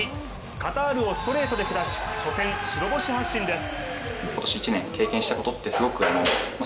カタールをストレートで下し初戦、白星発進です。